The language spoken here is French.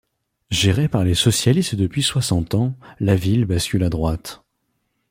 Gérée par les socialistes depuis soixante ans, la ville bascule à droite.